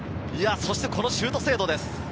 そしてこのシュート精度です。